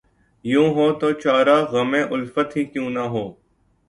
یوں ہو‘ تو چارۂ غمِ الفت ہی کیوں نہ ہو